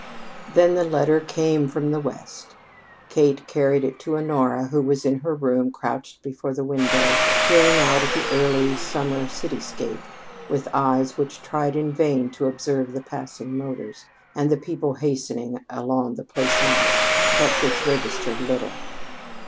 Then the letter came from the West. Kate carried it up to Honora, who was in her room crouched before the window, peering out at the early summer cityscape with eyes which tried in vain to observe the passing motors, and the people hastening along the Plaisance, but which registered little.